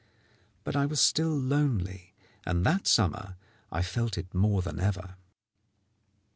But I was still lonely, and that summer I felt it more than ever.